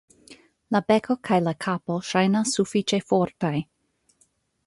La beko kaj la kapo ŝajnas sufiĉe fortaj.